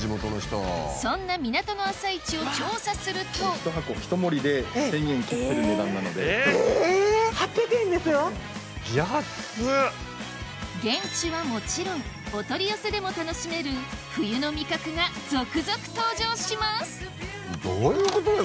そんな港の朝市を調査すると現地はもちろんお取り寄せでも楽しめる冬の味覚が続々登場します